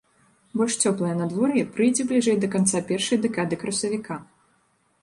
Больш цёплае надвор'е прыйдзе бліжэй да канца першай дэкады красавіка.